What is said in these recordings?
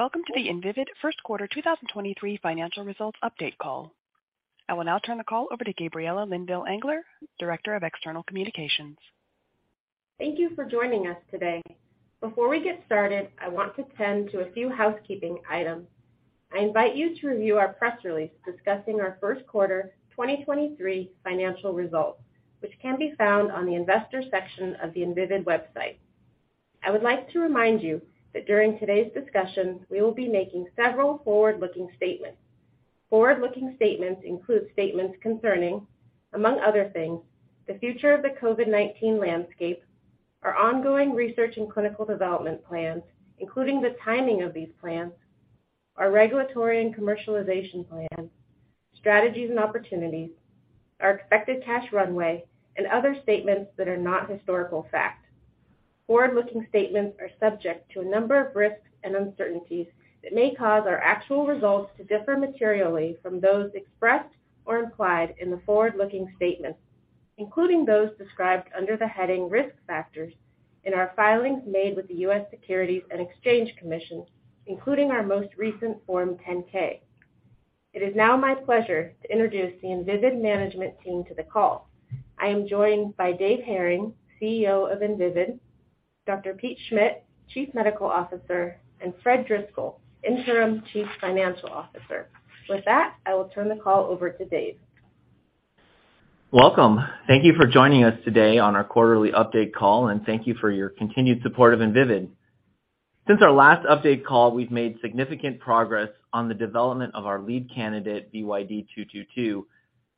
Welcome to the Invivyd First Quarter 2023 Financial Results update call. I will now turn the call over to Gabriela Linville-Engler, Director of External Communications. Thank you for joining us today. Before we get started, I want to tend to a few housekeeping items. I invite you to review our press release discussing our first quarter 2023 financial results, which can be found on the investor section of the Invivyd website. I would like to remind you that during today's discussions, we will be making several forward-looking statements. Forward-looking statements include statements concerning, among other things, the future of the COVID-19 landscape, our ongoing research and clinical development plans, including the timing of these plans, our regulatory and commercialization plans, strategies and opportunities, our expected cash runway and other statements that are not historical fact. Forward-looking statements are subject to a number of risks and uncertainties that may cause our actual results to differ materially from those expressed or implied in the forward-looking statements, including those described under the heading Risk Factors in our filings made with the U.S. Securities and Exchange Commission, including our most recent Form 10-K. It is now my pleasure to introduce the Invivyd management team to the call. I am joined by Dave Hering, CEO of Invivyd, Dr. Pete Schmidt, Chief Medical Officer, and Fred Driscoll, Interim Chief Financial Officer. With that, I will turn the call over to Dave. Welcome. Thank you for joining us today on our quarterly update call, thank you for your continued support of Invivyd. Since our last update call, we've made significant progress on the development of our lead candidate, VYD222,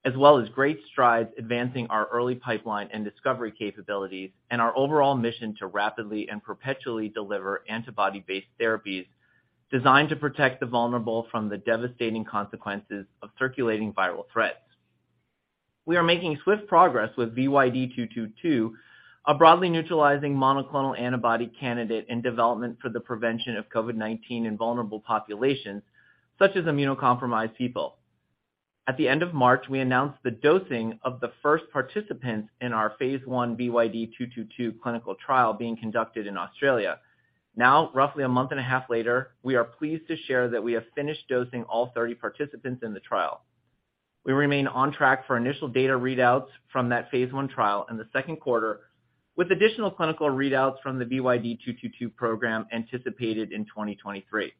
as well as great strides advancing our early pipeline and discovery capabilities and our overall mission to rapidly and perpetually deliver antibody based therapies designed to protect the vulnerable from the devastating consequences of circulating viral threats. We are making swift progress with VYD222, a broadly neutralizing monoclonal antibody candidate in development for the prevention of COVID-19 in vulnerable populations such as immunocompromised people. At the end of March, we announced the dosing of the first participants in our phase I VYD222 clinical trial being conducted in Australia. Now, roughly a month and a half later, we are pleased to share that we have finished dosing all 30 participants in the trial. We remain on track for initial data readouts from that phase I trial in the second quarter, with additional clinical readouts from the VYD222 program anticipated in 2023.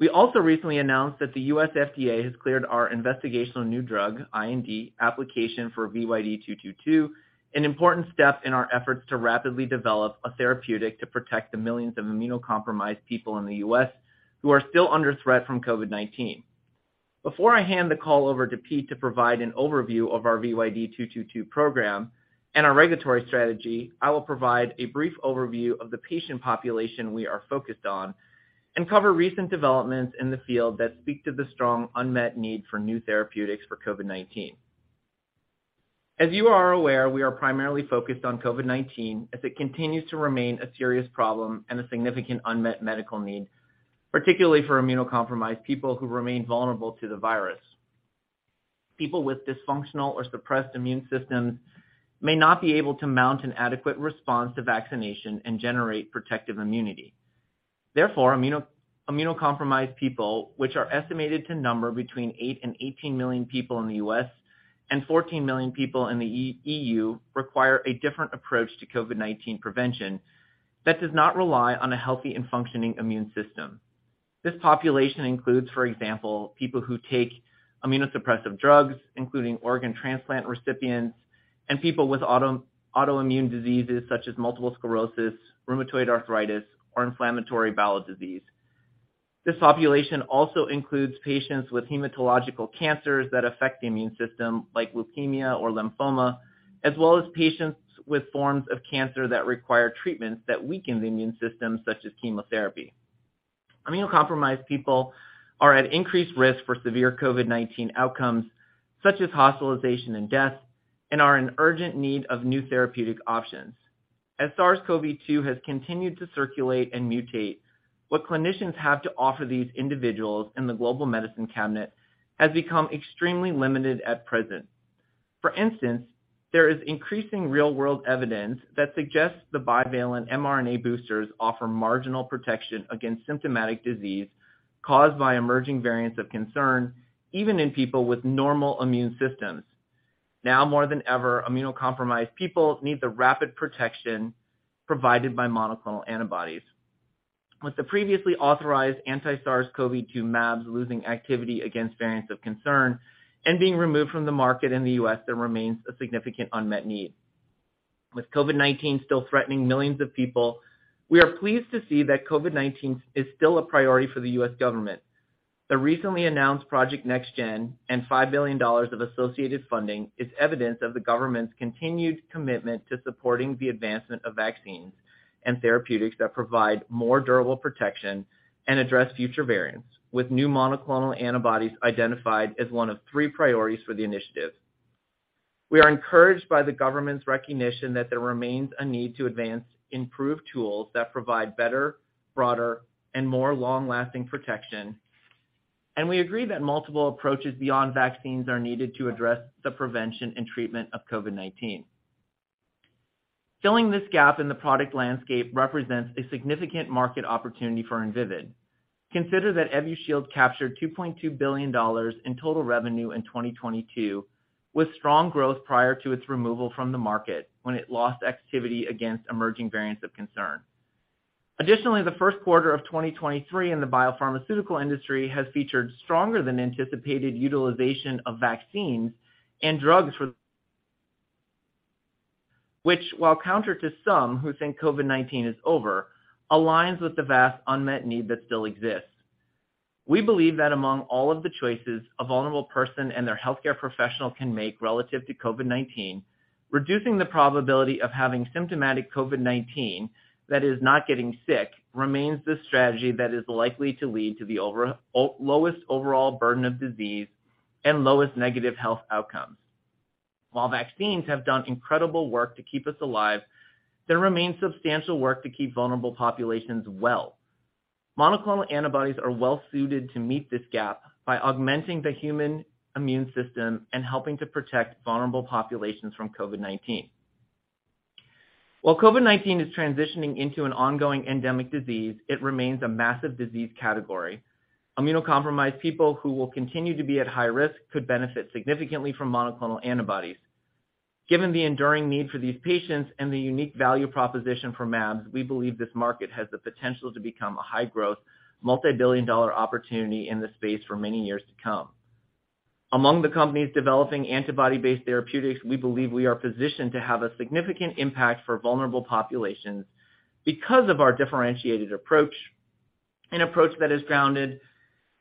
We also recently announced that the FDA has cleared our investigational new drug, IND, application for VYD222, an important step in our efforts to rapidly develop a therapeutic to protect the millions of immunocompromised people in the U.S. who are still under threat from COVID-19. Before I hand the call over to Pete to provide an overview of our VYD222 program and our regulatory strategy, I will provide a brief overview of the patient population we are focused on and cover recent developments in the field that speak to the strong unmet need for new therapeutics for COVID-19. As you are aware, we are primarily focused on COVID-19 as it continues to remain a serious problem and a significant unmet medical need, particularly for immunocompromised people who remain vulnerable to the virus. People with dysfunctional or suppressed immune systems may not be able to mount an adequate response to vaccination and generate protective immunity. Therefore, immunocompromised people, which are estimated to number between eight and 18 million people in the U.S. and 14 million people in the E.U., require a different approach to COVID-19 prevention that does not rely on a healthy and functioning immune system. This population includes, for example, people who take immunosuppressive drugs, including organ transplant recipients, and people with autoimmune diseases such as multiple sclerosis, rheumatoid arthritis, or inflammatory bowel disease. This population also includes patients with hematological cancers that affect the immune system, like leukemia or lymphoma, as well as patients with forms of cancer that require treatments that weaken the immune system, such as chemotherapy. Immunocompromised people are at increased risk for severe COVID-19 outcomes such as hospitalization and death, and are in urgent need of new therapeutic options. As SARS-CoV-2 has continued to circulate and mutate, what clinicians have to offer these individuals in the global medicine cabinet has become extremely limited at present. For instance, there is increasing real world evidence that suggests the bivalent mRNA boosters offer marginal protection against symptomatic disease caused by emerging variants of concern, even in people with normal immune systems. Now more than ever, immunocompromised people need the rapid protection provided by monoclonal antibodies. With the previously authorized anti-SARS-CoV-2 mAbs losing activity against variants of concern and being removed from the market in the U.S., there remains a significant unmet need. With COVID-19 still threatening millions of people, we are pleased to see that COVID-19 is still a priority for the U.S. government. The recently announced Project NextGen and $5 billion of associated funding is evidence of the government's continued commitment to supporting the advancement of vaccines and therapeutics that provide more durable protection and address future variants with new monoclonal antibodies identified as one of three priorities for the initiative. We are encouraged by the government's recognition that there remains a need to advance improved tools that provide better, broader and more long-lasting protection. We agree that multiple approaches beyond vaccines are needed to address the prevention and treatment of COVID-19. Filling this gap in the product landscape represents a significant market opportunity for Invivyd. Consider that Evusheld captured $2.2 billion in total revenue in 2022, with strong growth prior to its removal from the market when it lost activity against emerging variants of concern. Additionally, the first quarter of 2023 in the biopharmaceutical industry has featured stronger than anticipated utilization of vaccines and drugs for which, while counter to some who think COVID-19 is over, aligns with the vast unmet need that still exists. We believe that among all of the choices a vulnerable person and their healthcare professional can make relative to COVID-19, reducing the probability of having symptomatic COVID-19 that is not getting sick remains the strategy that is likely to lead to the lowest overall burden of disease and lowest negative health outcomes. Vaccines have done incredible work to keep us alive, there remains substantial work to keep vulnerable populations well. Monoclonal antibodies are well suited to meet this gap by augmenting the human immune system and helping to protect vulnerable populations from COVID-19. COVID-19 is transitioning into an ongoing endemic disease, it remains a massive disease category. Immunocompromised people who will continue to be at high risk could benefit significantly from monoclonal antibodies. Given the enduring need for these patients and the unique value proposition for mAbs, we believe this market has the potential to become a high-growth, multi-billion-dollar opportunity in this space for many years to come. Among the companies developing antibody-based therapeutics, we believe we are positioned to have a significant impact for vulnerable populations because of our differentiated approach, an approach that is grounded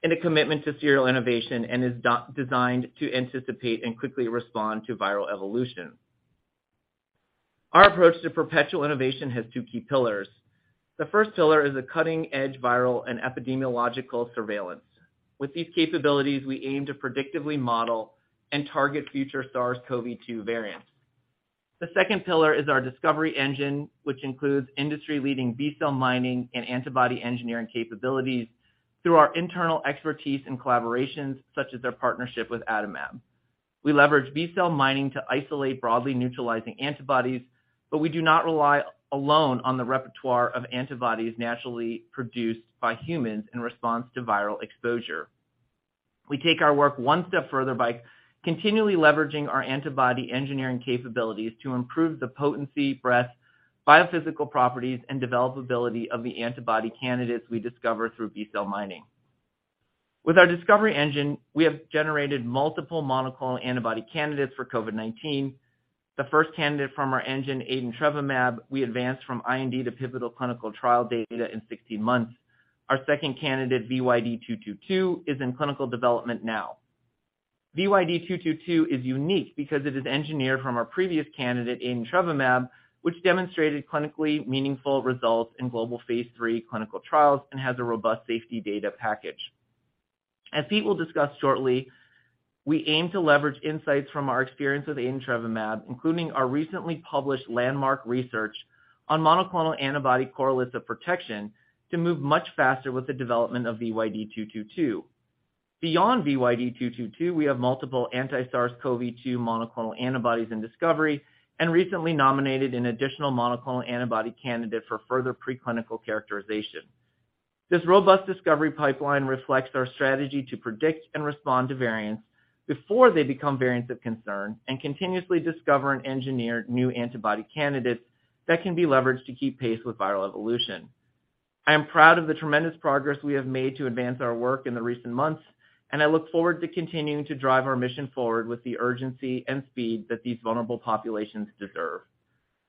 in a commitment to serial innovation and is designed to anticipate and quickly respond to viral evolution. Our approach to perpetual innovation has two key pillars. The first pillar is a cutting-edge viral and epidemiological surveillance. With these capabilities, we aim to predictively model and target future SARS-CoV-2 variants. The second pillar is our discovery engine, which includes industry-leading B-cell mining and antibody engineering capabilities through our internal expertise and collaborations, such as their partnership with Adimab. We leverage B-cell mining to isolate broadly neutralizing antibodies, but we do not rely alone on the repertoire of antibodies naturally produced by humans in response to viral exposure. We take our work one step further by continually leveraging our antibody engineering capabilities to improve the potency, breadth, biophysical properties, and developability of the antibody candidates we discover through B-cell mining. With our discovery engine, we have generated multiple monoclonal antibody candidates for COVID-19. The first candidate from our engine, adintrevimab, we advanced from IND to pivotal clinical trial data in 16 months. Our second candidate, VYD222, is in clinical development now. VYD222 is unique because it is engineered from our previous candidate, adintrevimab, which demonstrated clinically meaningful results in global phase III clinical trials and has a robust safety data package. As Pete will discuss shortly, we aim to leverage insights from our experience with adintrevimab, including our recently published landmark research on monoclonal antibody correlates of protection to move much faster with the development of VYD222. Beyond VYD222, we have multiple anti-SARS-CoV-2 monoclonal antibodies in discovery and recently nominated an additional monoclonal antibody candidate for further preclinical characterization. This robust discovery pipeline reflects our strategy to predict and respond to variants before they become variants of concern and continuously discover and engineer new antibody candidates that can be leveraged to keep pace with viral evolution. I am proud of the tremendous progress we have made to advance our work in the recent months, I look forward to continuing to drive our mission forward with the urgency and speed that these vulnerable populations deserve.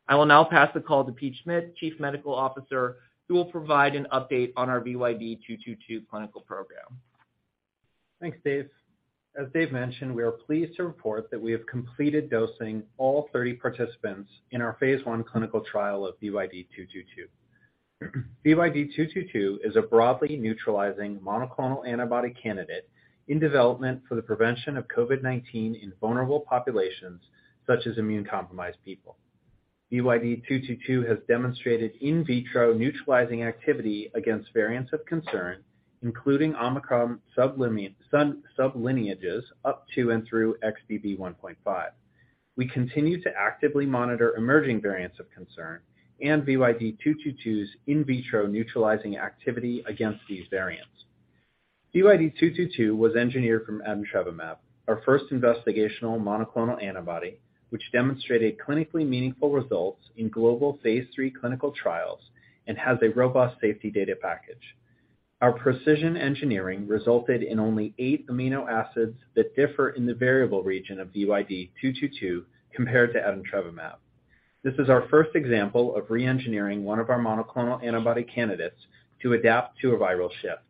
I will now pass the call to Pete Schmidt, Chief Medical Officer, who will provide an update on our VYD222 clinical program. Thanks, Dave. As Dave mentioned, we are pleased to report that we have completed dosing all 30 participants in our phase I clinical trial of VYD222. VYD222 is a broadly neutralizing monoclonal antibody candidate in development for the prevention of COVID-19 in vulnerable populations such as immunocompromised people. VYD222 has demonstrated in vitro neutralizing activity against variants of concern, including Omicron sublineages up to and through XBB.1.5. We continue to actively monitor emerging variants of concern and VYD222's in vitro neutralizing activity against these variants. VYD222 was engineered from adintrevimab, our first investigational monoclonal antibody, which demonstrated clinically meaningful results in global phase III clinical trials and has a robust safety data package. Our precision engineering resulted in only eight amino acids that differ in the variable region of VYD222 compared to adintrevimab. This is our first example of re-engineering one of our monoclonal antibody candidates to adapt to a viral shift.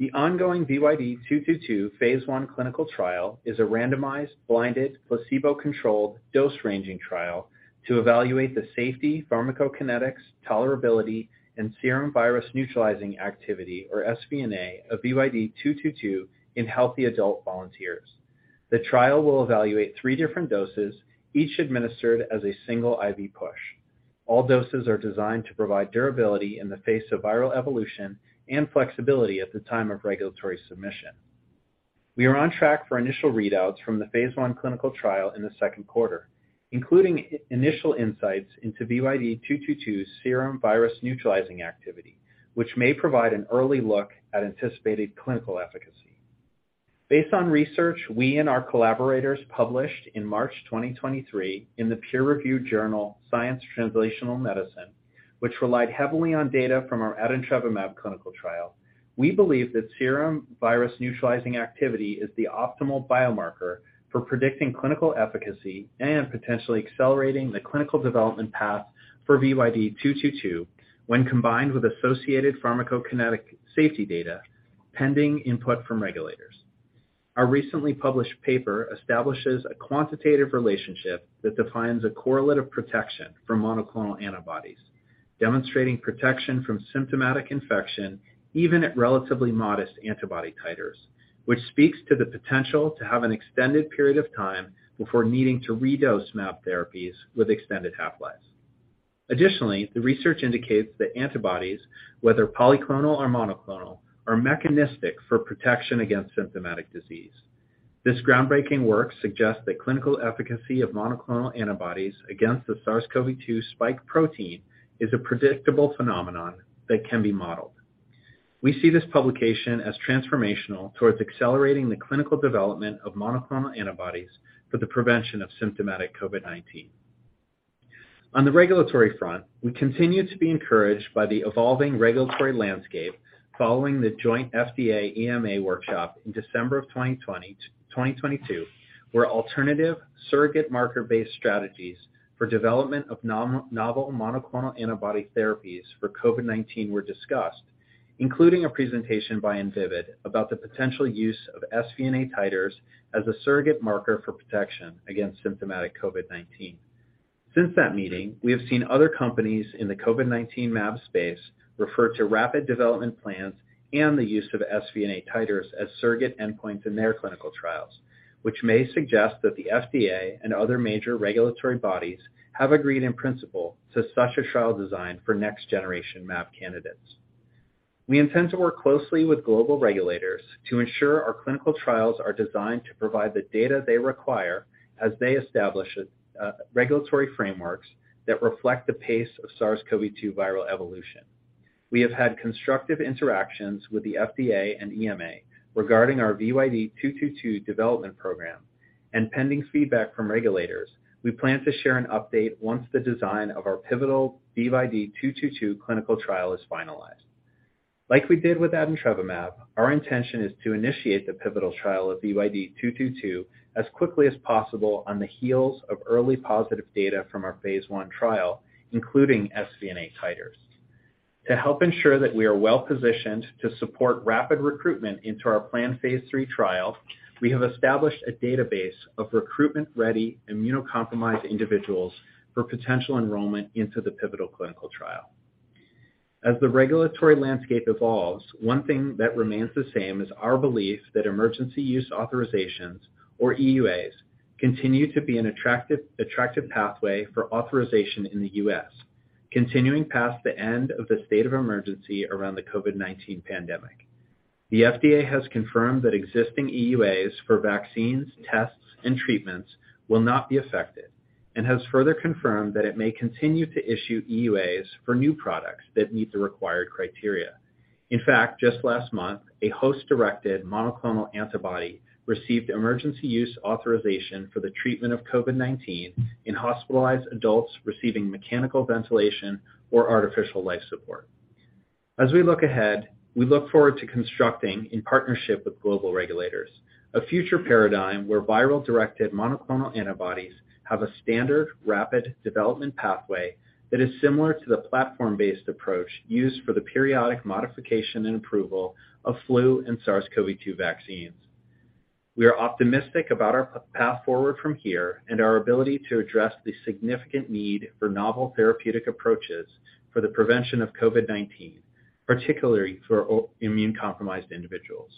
The ongoing VYD222 phase I clinical trial is a randomized, blinded, placebo-controlled dose-ranging trial to evaluate the safety, pharmacokinetics, tolerability, and serum virus neutralizing activity, or sVNA, of VYD222 in healthy adult volunteers. The trial will evaluate three different doses, each administered as a single IV push. All doses are designed to provide durability in the face of viral evolution and flexibility at the time of regulatory submission. We are on track for initial readouts from the phase I clinical trial in the second quarter, including initial insights into VYD222 serum virus neutralizing activity, which may provide an early look at anticipated clinical efficacy. Based on research we and our collaborators published in March 2023 in the peer-reviewed journal Science Translational Medicine, which relied heavily on data from our adintrevimab clinical trial, we believe that serum virus neutralizing activity is the optimal biomarker for predicting clinical efficacy and potentially accelerating the clinical development path for VYD222 when combined with associated pharmacokinetic safety data pending input from regulators. Our recently published paper establishes a quantitative relationship that defines a correlative protection for monoclonal antibodies, demonstrating protection from symptomatic infection even at relatively modest antibody titers, which speaks to the potential to have an extended period of time before needing to redose mAb therapies with extended half-lives. The research indicates that antibodies, whether polyclonal or monoclonal, are mechanistic for protection against symptomatic disease. This groundbreaking work suggests that clinical efficacy of monoclonal antibodies against the SARS-CoV-2 spike protein is a predictable phenomenon that can be modeled. We see this publication as transformational towards accelerating the clinical development of monoclonal antibodies for the prevention of symptomatic COVID-19. On the regulatory front, we continue to be encouraged by the evolving regulatory landscape following the joint FDA EMA workshop in December of 2022, where alternative surrogate marker-based strategies for development of novel monoclonal antibody therapies for COVID-19 were discussed, including a presentation by Invivyd about the potential use of sVNA titers as a surrogate marker for protection against symptomatic COVID-19. Since that meeting, we have seen other companies in the COVID-19 mAb space refer to rapid development plans and the use of sVNA titers as surrogate endpoints in their clinical trials, which may suggest that the FDA and other major regulatory bodies have agreed in principle to such a trial design for next-generation mAb candidates. We intend to work closely with global regulators to ensure our clinical trials are designed to provide the data they require as they establish regulatory frameworks that reflect the pace of SARS-CoV-2 viral evolution. We have had constructive interactions with the FDA and EMA regarding our VYD222 development program, and pending feedback from regulators, we plan to share an update once the design of our pivotal VYD222 clinical trial is finalized. We did with adintrevimab, our intention is to initiate the pivotal trial of VYD222 as quickly as possible on the heels of early positive data from our phase I trial, including sVNA titers. To help ensure that we are well-positioned to support rapid recruitment into our planned phase III trial, we have established a database of recruitment-ready immunocompromised individuals for potential enrollment into the pivotal clinical trial. As the regulatory landscape evolves, one thing that remains the same is our belief that emergency use authorizations, or EUAs, continue to be an attractive pathway for authorization in the U.S., continuing past the end of the state of emergency around the COVID-19 pandemic. The FDA has confirmed that existing EUAs for vaccines, tests, and treatments will not be affected and has further confirmed that it may continue to issue EUAs for new products that meet the required criteria. In fact, just last month, a host-directed monoclonal antibody received emergency use authorization for the treatment of COVID-19 in hospitalized adults receiving mechanical ventilation or artificial life support. As we look ahead, we look forward to constructing in partnership with global regulators a future paradigm where viral-directed monoclonal antibodies have a standard rapid development pathway that is similar to the platform-based approach used for the periodic modification and approval of flu and SARS-CoV-2 vaccines. We are optimistic about our path forward from here and our ability to address the significant need for novel therapeutic approaches for the prevention of COVID-19, particularly for immune-compromised individuals.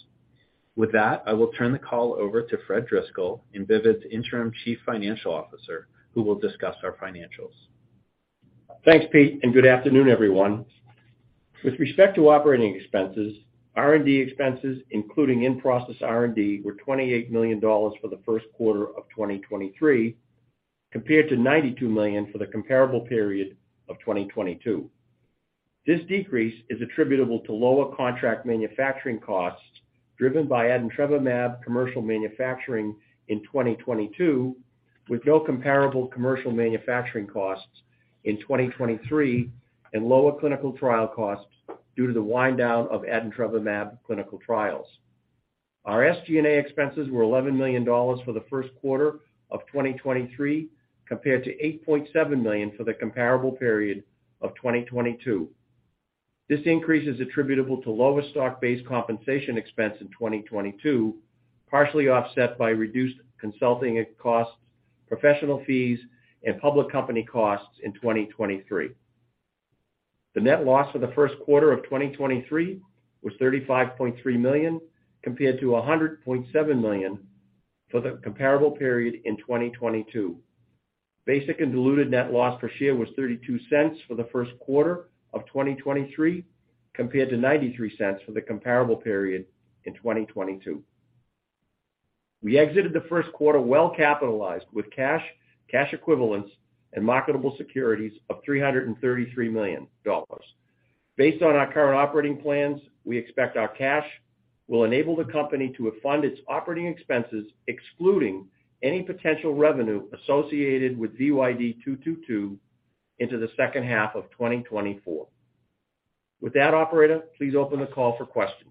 With that, I will turn the call over to Fred Driscoll, Invivyd Interim Chief Financial Officer, who will discuss our financials. Thanks, Pete, good afternoon, everyone. With respect to operating expenses, R&D expenses, including in-process R&D, were $28 million for the first quarter of 2023, compared to $92 million for the comparable period of 2022. This decrease is attributable to lower contract manufacturing costs driven by adintrevimab commercial manufacturing in 2022, with no comparable commercial manufacturing costs in 2023 and lower clinical trial costs due to the wind-down of adintrevimab clinical trials. Our SG&A expenses were $11 million for the first quarter of 2023, compared to $8.7 million for the comparable period of 2022. This increase is attributable to lower stock-based compensation expense in 2022, partially offset by reduced consulting costs, professional fees, and public company costs in 2023. The net loss for the first quarter of 2023 was $35.3 million, compared to $100.7 million for the comparable period in 2022. Basic and diluted net loss per share was $0.32 for the first quarter of 2023 compared to $0.93 for the comparable period in 2022. We exited the first quarter well capitalized with cash equivalents, and marketable securities of $333 million. Based on our current operating plans, we expect our cash will enable the company to fund its operating expenses, excluding any potential revenue associated with VYD222 into the second half of 2024. With that, operator, please open the call for questions.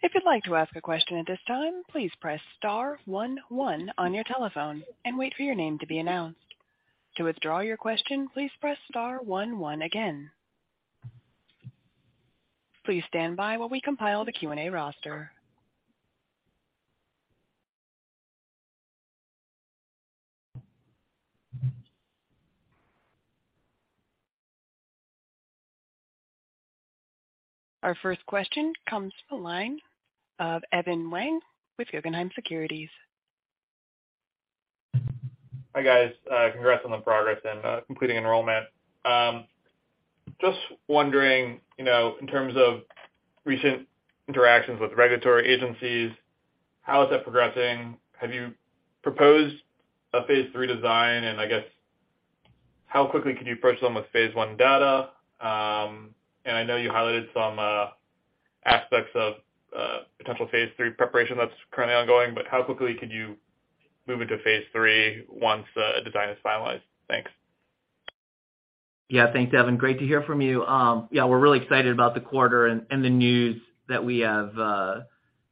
If you'd like to ask a question at this time, please press star one one on your telephone and wait for your name to be announced. To withdraw your question, please press star one one again. Please stand by while we compile the Q&A roster. Our first question comes from the line of Evan Wang with Guggenheim Securities. Hi, guys. Congrats on the progress and completing enrollment. Just wondering, you know, in terms of recent interactions with regulatory agencies, how is that progressing? Have you proposed a phase III design? I guess how quickly can you approach them with phase I data? I know you highlighted some aspects of potential phase III preparation that's currently ongoing, but how quickly could you move into phase III once a design is finalized? Thanks. Yeah. Thanks, Evan. Great to hear from you. Yeah, we're really excited about the quarter and the news that we have,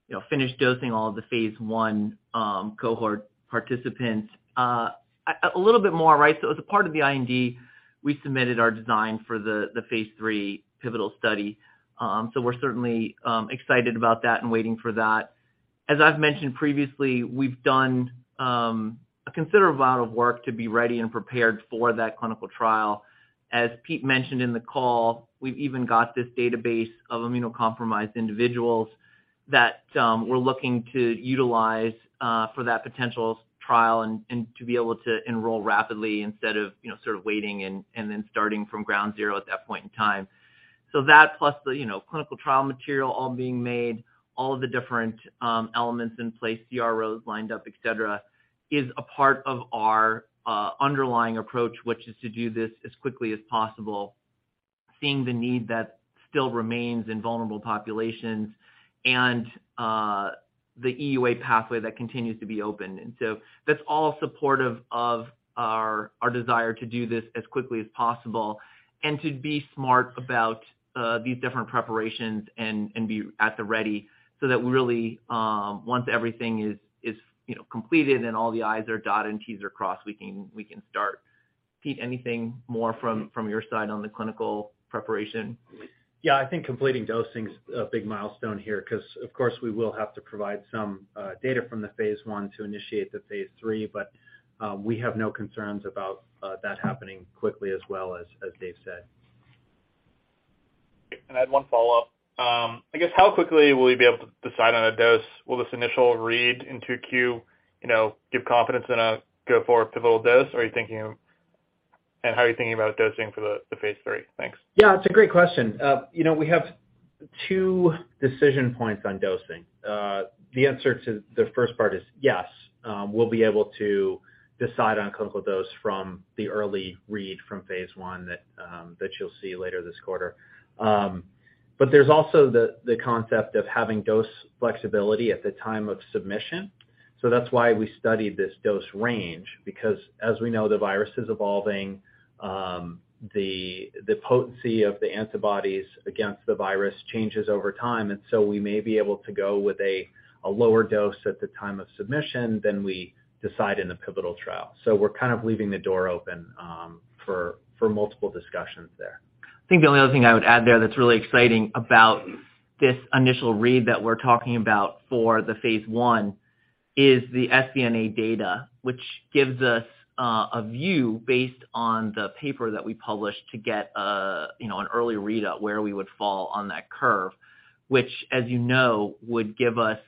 you know, finished dosing all of the phase I cohort participants. A little bit more, right? As a part of the IND, we submitted our design for the phase III pivotal study. We're certainly excited about that and waiting for that. As I've mentioned previously, we've done a considerable amount of work to be ready and prepared for that clinical trial. As Pete Schmidt mentioned in the call, we've even got this database of immunocompromised individuals that we're looking to utilize for that potential trial and to be able to enroll rapidly instead of, you know, sort of waiting and then starting from ground zero at that point in time. So that plus the, you know, clinical trial material all being made, all of the different elements in place, CROs lined up, et cetera, is a part of our underlying approach, which is to do this as quickly as possible, seeing the need that still remains in vulnerable populations and the EUA pathway that continues to be open. That's all supportive of our desire to do this as quickly as possible and to be smart about these different preparations and be at the ready so that really, once everything is, you know, completed and all the I's are dotted and T's are crossed, we can, we can start. Pete, anything more from your side on the clinical preparation? I think completing dosing is a big milestone here because, of course, we will have to provide some data from the phase I to initiate the phase III, but we have no concerns about that happening quickly as well as Dave said. I had one follow-up. I guess how quickly will you be able to decide on a dose? Will this initial read in 2Q, you know, give confidence in a go forward pivotal dose? How are you thinking about dosing for the phase III? Thanks. Yeah, it's a great question. you know, we have two decision points on dosing. The answer to the first part is yes, we'll be able to decide on clinical dose from the early read from phase I that you'll see later this quarter. There's also the concept of having dose flexibility at the time of submission. That's why we studied this dose range because as we know, the virus is evolving, the potency of the antibodies against the virus changes over time. We may be able to go with a lower dose at the time of submission than we decide in the pivotal trial. We're kind of leaving the door open, for multiple discussions there. I think the only other thing I would add there that's really exciting about this initial read that we're talking about for the phase I is the sVNA data, which gives us a view based on the paper that we published to get, you know, an early readout where we would fall on that curve, which as you know, would give us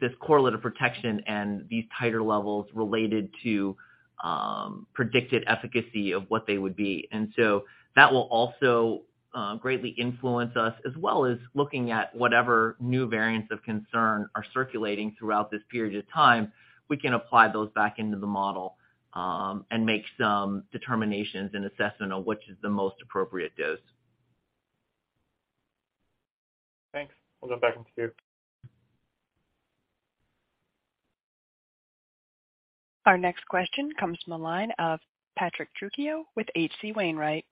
this correlative protection and these titer levels related to predicted efficacy of what they would be. That will also greatly influence us as well as looking at whatever new variants of concern are circulating throughout this period of time. We can apply those back into the model and make some determinations and assessment on which is the most appropriate dose. Thanks. We'll jump back into queue. Our next question comes from the line of Patrick Trucchio with H.C. Wainwright.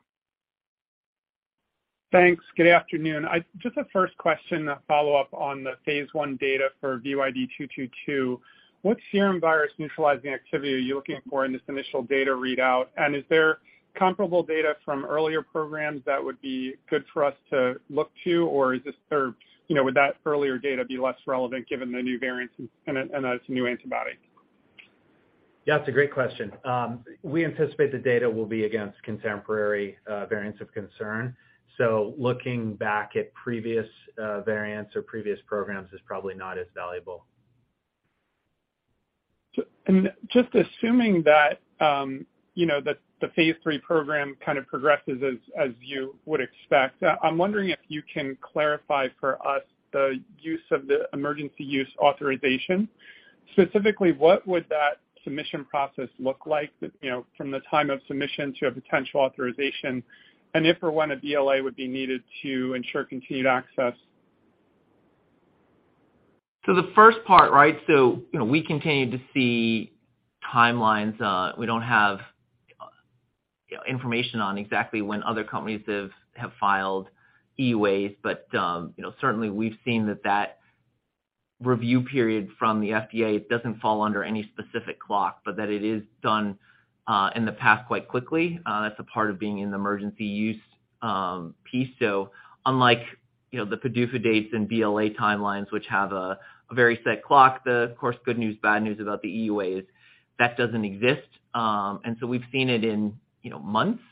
Thanks. Good afternoon. Just a first question to follow up on the phase I data for VYD222. What serum virus neutralizing activity are you looking for in this initial data readout? Is there comparable data from earlier programs that would be good for us to look to? You know, would that earlier data be less relevant given the new variants and it's a new antibody? Yeah, it's a great question. We anticipate the data will be against contemporary, variants of concern. Looking back at previous, variants or previous programs is probably not as valuable. Just assuming that, you know, the phase III program kind of progresses as you would expect, I'm wondering if you can clarify for us the use of the emergency use authorization. Specifically, what would that submission process look like, you know, from the time of submission to a potential authorization, and if or when a BLA would be needed to ensure continued access? The first part, right? You know, we continue to see timelines. We don't have, you know, information on exactly when other companies have filed EUAs. You know, certainly we've seen that that review period from the FDA doesn't fall under any specific clock, but that it is done in the past quite quickly. That's a part of being in the emergency use piece. Unlike, you know, the PDUFA dates and BLA timelines, which have a very set clock, the, of course, good news, bad news about the EUA is that doesn't exist. We've seen it in, you know, months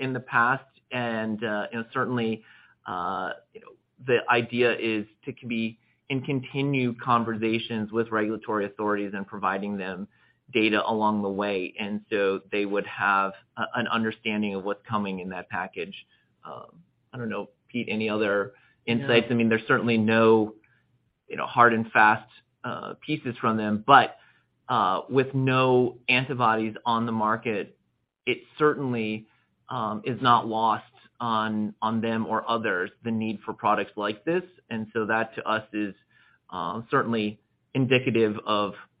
in the past. You know, certainly, you know, the idea is to be in continued conversations with regulatory authorities and providing them data along the way. They would have an understanding of what's coming in that package. I don't know, Pete, any other insights? No. I mean, there's certainly no, you know, hard and fast, pieces from them. With no antibodies on the market, it certainly is not lost on them or others, the need for products like this. That to us is certainly indicative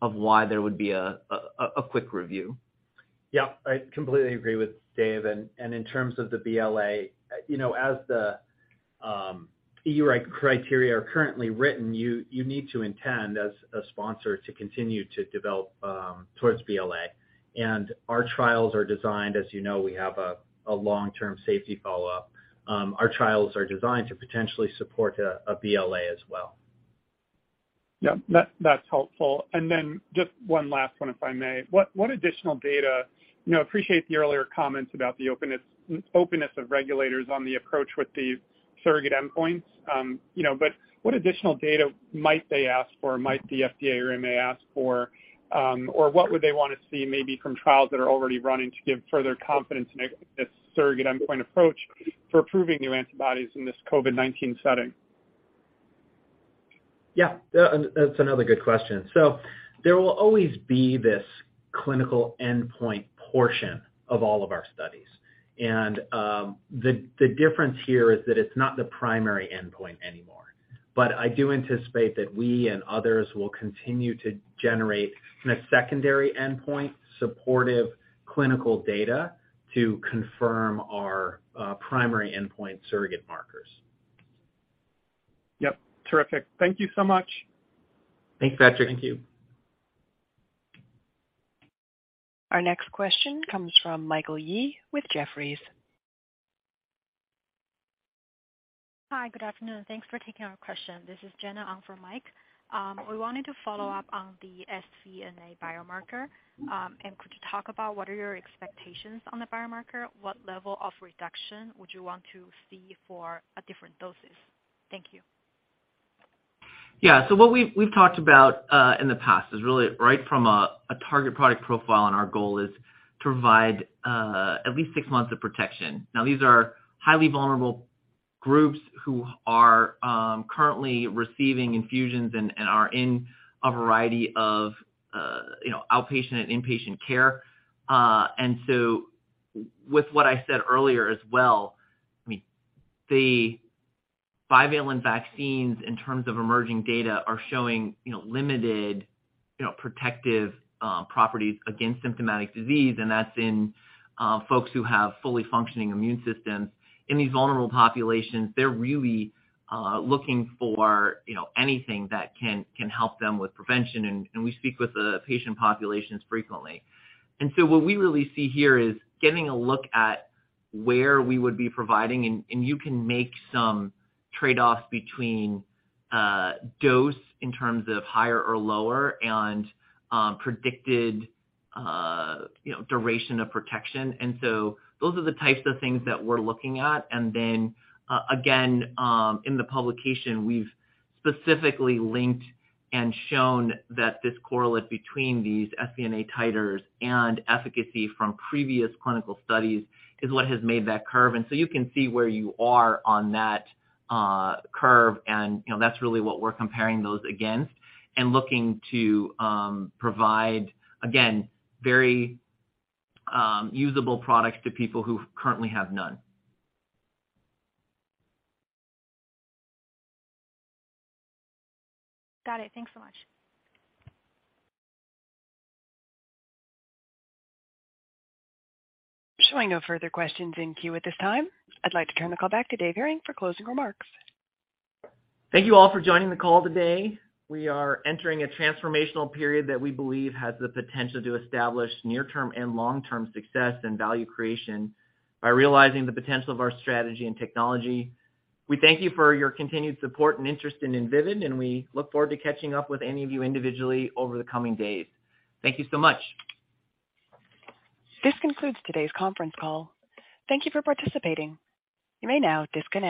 of why there would be a quick review. Yeah, I completely agree with Dave. In terms of the BLA, you know, as the EUA criteria are currently written, you need to intend as a sponsor to continue to develop towards BLA. Our trials are designed as you know, we have a long-term safety follow-up. Our trials are designed to potentially support a BLA as well. Yep. That's helpful. Just one last one, if I may. What additional data... You know, appreciate the earlier comments about the openness of regulators on the approach with the surrogate endpoints. You know, what additional data might they ask for, might the FDA or EMA ask for, or what would they wanna see maybe from trials that are already running to give further confidence in this surrogate endpoint approach for approving new antibodies in this COVID-19 setting? Yeah. That's another good question. There will always be this clinical endpoint portion of all of our studies. The difference here is that it's not the primary endpoint anymore. I do anticipate that we and others will continue to generate in a secondary endpoint supportive clinical data to confirm our primary endpoint surrogate markers. Yep. Terrific. Thank you so much. Thanks, Patrick. Thank you. Our next question comes from Michael Yee with Jefferies. Hi, good afternoon. Thanks for taking our question. This is Jenna on for Mike. We wanted to follow up on the sVNA biomarker. Could you talk about what are your expectations on the biomarker? What level of reduction would you want to see for a different doses? Thank you. Yeah. What we've talked about in the past is really right from a target product profile, and our goal is to provide at least six months of protection. Now, these are highly vulnerable groups who are currently receiving infusions and are in a variety of, you know, outpatient and inpatient care. With what I said earlier as well, I mean, the bivalent vaccines in terms of emerging data are showing, you know, limited, you know, protective properties against symptomatic disease, and that's in folks who have fully functioning immune systems. In these vulnerable populations, they're really looking for, you know, anything that can help them with prevention, and we speak with the patient populations frequently. What we really see here is getting a look at where we would be providing, and you can make some trade-offs between dose in terms of higher or lower and predicted, you know, duration of protection. Those are the types of things that we're looking at. Again, in the publication, we've specifically linked and shown that this correlate between these sVNA titers and efficacy from previous clinical studies is what has made that curve. You can see where you are on that curve and, you know, that's really what we're comparing those against and looking to provide, again, very usable products to people who currently have none. Got it. Thanks so much. Showing no further questions in queue at this time. I'd like to turn the call back to Dave Hering for closing remarks. Thank you all for joining the call today. We are entering a transformational period that we believe has the potential to establish near-term and long-term success and value creation by realizing the potential of our strategy and technology. We thank you for your continued support and interest in Invivyd, and we look forward to catching up with any of you individually over the coming days. Thank you so much. This concludes today's conference call. Thank you for participating. You may now disconnect.